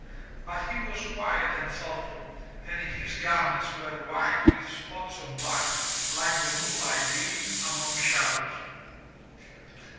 But he was quiet and thoughtful, and his garments were white with spots of black, like the moonlight gleam among shadows.